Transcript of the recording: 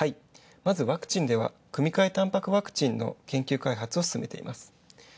まずワクチンでは、組み替え淡白ワクチンの研究開発を進めています。